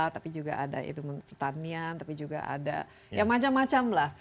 tapi juga ada itu pertanian tapi juga ada ya macam macam lah